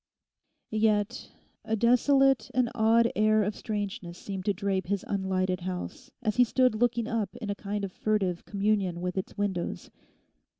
Yet a desolate and odd air of strangeness seemed to drape his unlighted house as he stood looking up in a kind of furtive communion with its windows.